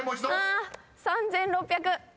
「３，６００」